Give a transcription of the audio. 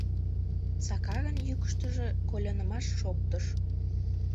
— Сакарын йӱкыштыжӧ колянымаш шоктыш.